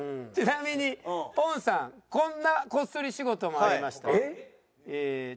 ちなみにポンさんこんなこっそり仕事もありました。